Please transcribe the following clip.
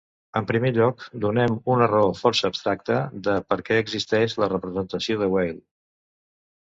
En primer lloc, donem una raó força abstracta de per què existeix la representació de Weil.